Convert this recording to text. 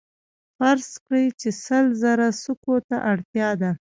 فرض کړئ چې سل زره سکو ته اړتیا ده